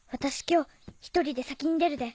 今日１人で先に出るで。